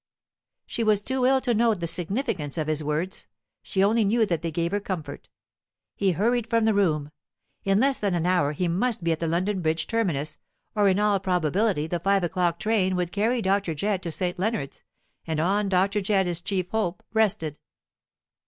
She was too ill to note the significance of his words; she only knew that they gave her comfort. He hurried from the room. In less than an hour he must be at the London Bridge terminus, or in all probability the five o'clock train would carry Dr. Jedd to St. Leonards; and on Dr. Jedd his chief hope rested.